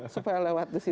supaya lewat di situ